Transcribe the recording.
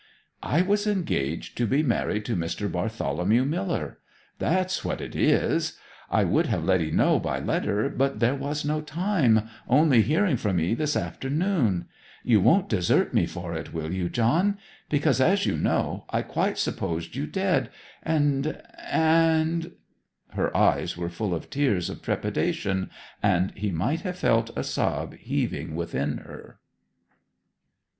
'I was engaged to be married to Mr. Bartholomew Miller. That's what it is! I would have let 'ee know by letter, but there was no time, only hearing from 'ee this afternoon ... You won't desert me for it, will you, John? Because, as you know, I quite supposed you dead, and and ' Her eyes were full of tears of trepidation, and he might have felt a sob heaving within her.